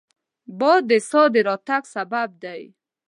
باد د سا د راتګ سبب دی